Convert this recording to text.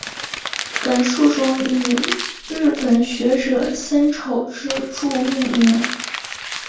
本树种以日本学者森丑之助命名。